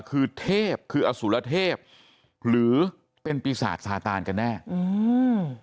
คือเทพคืออสุรเทพหรือเป็นปีศาจสาตานกันแน่อืม